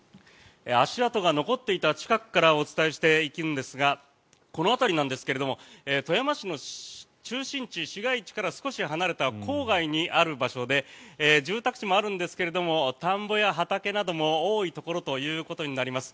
足跡が残っていた近くからお伝えしていくんですがこの辺りなんですが富山市の中心地、市街地から少し離れた郊外にある場所で住宅地もあるんですが田んぼや畑なども多いというところになります。